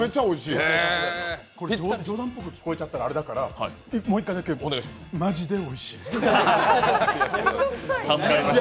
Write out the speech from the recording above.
冗談っぽく聞こえちゃったらあれだからマジでおいしい。